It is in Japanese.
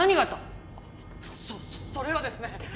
そっそれはですね。